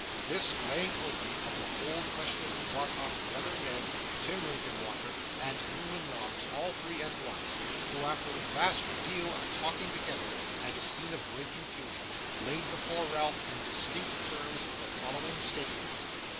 This laying open of the whole question brought up brother Ned, Tim Linkinwater, and Newman Noggs, all three at once; who, after a vast deal of talking together, and a scene of great confusion, laid before Ralph, in distinct terms, the following statement.